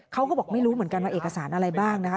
เขาก็บอกไม่รู้เหมือนกันว่าเอกสารอะไรบ้างนะคะ